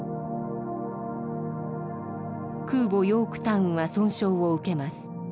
空母ヨークタウンは損傷を受けます。